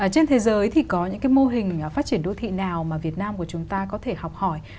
trên thế giới thì có những cái mô hình phát triển đô thị nào mà việt nam của chúng ta có thể học hỏi